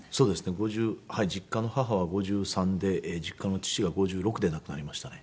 ５０実家の母は５３で実家の父が５６で亡くなりましたね。